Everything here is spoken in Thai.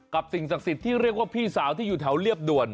สิ่งศักดิ์สิทธิ์ที่เรียกว่าพี่สาวที่อยู่แถวเรียบด่วน